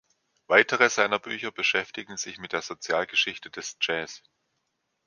Weitere seiner Bücher beschäftigen sich mit der Sozialgeschichte des Jazz.